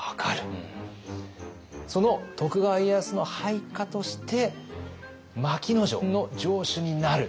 その徳川家康の配下として牧野城の城主になる。